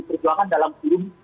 perjuangan dalam kurun